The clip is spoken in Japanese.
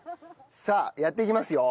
さあやっていきますよ。